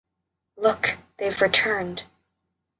Look, they’ve returned.